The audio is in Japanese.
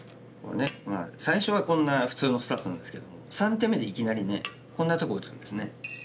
最初はこんな普通のスタートなんですけども３手目でいきなりこんなとこ打つんですね。